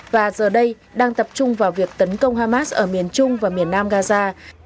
và giờ đây đang tập trung vào việc tấn công hamas ở miền trung và miền nam gaza